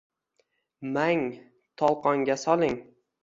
Mang, tolqonga soling.